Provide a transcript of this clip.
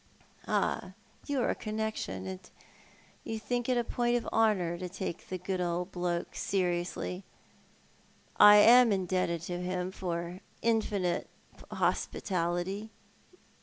" Ah, you are a connection, and you think it a point of nonour to take the good old bloke seriously. I am indebted to him for infinite hospitality.